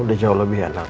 udah jauh lebih ya pak